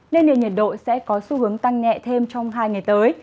nên nền nhiệt độ sẽ có xu hướng tăng nhẹ thêm trong hai ngày tới